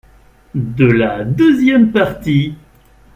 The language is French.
de la deuxième partie.